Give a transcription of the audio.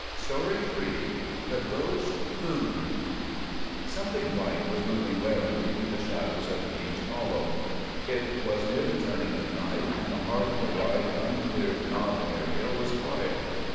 THE GHOST COON THE GHOST COON SOMETHING white was moving warily through the shadows of Beech Hollow. It was near the turning of night, and the heart of the wide, uncleared knob area was quiet.